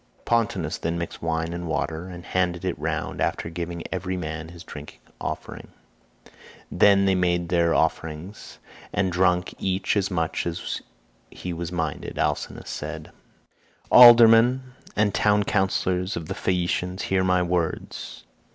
Pontonous then mixed wine and water, and handed it round after giving every man his drink offering. When they had made their offerings, and had drunk each as much as he was minded, Alcinous said: "Aldermen and town councillors of the Phaeacians, hear my words.